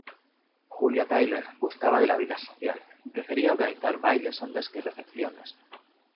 Julia Tyler gustaba de la vida social y prefería organizar bailes antes que recepciones.